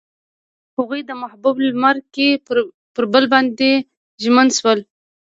هغوی په محبوب لمر کې پر بل باندې ژمن شول.